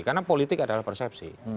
karena politik adalah persepsi